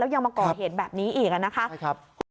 แล้วยังมาก่อเหตุแบบนี้อีกแล้วนะคะ